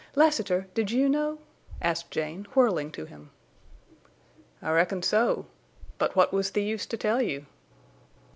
"Lassiter—did you know?" asked Jane, whirling to him. "I reckon so.... But what was the use to tell you?"